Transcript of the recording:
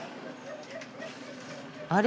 あれ？